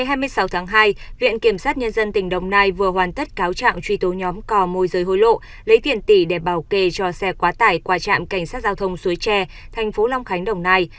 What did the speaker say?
hôm hai mươi sáu tháng hai viện kiểm sát nhân dân tỉnh đồng nai vừa hoàn tất cáo trạng truy tố nhóm cò môi rời hối lộ lấy tiền tỷ để bảo kê cho xe quá tải qua trạm cảnh sát giao thông suối tre thành phố long khánh đồng nai